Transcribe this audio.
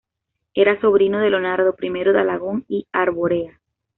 Era sobrino de Leonardo I de Alagón y Arborea.